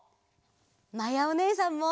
まやおねえさんも。